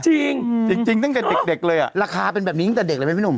จริงจริงตั้งแต่เด็กเลยอ่ะราคาเป็นแบบนี้ตั้งแต่เด็กเลยไหมพี่หนุ่ม